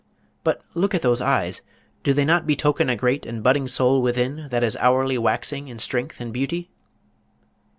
"But look at those eyes. Do they not betoken a great and budding soul within that is hourly waxing in strength and beauty?"